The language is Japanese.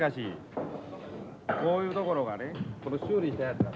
こういうところがねこれ修理したやつが。